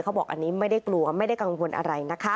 บอกอันนี้ไม่ได้กลัวไม่ได้กังวลอะไรนะคะ